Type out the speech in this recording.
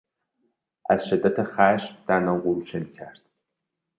از شدت خشم دندان قروچه میکرد.